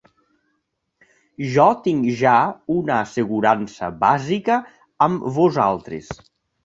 Jo tinc ja una assegurança bàsica amb vosaltres.